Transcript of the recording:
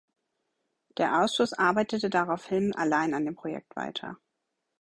Der Ausschuss arbeitete daraufhin allein an dem Projekt weiter.